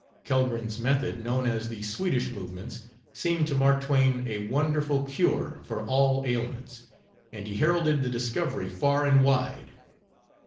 Kellgren's method, known as the "Swedish movements," seemed to Mark Twain a wonderful cure for all ailments, and he heralded the discovery far and wide.